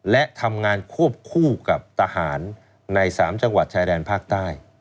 และทำงานควบคู่กับทหารใน๓จังหวัดชายแดนภาคใต้